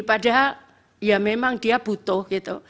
padahal ya memang dia butuh gitu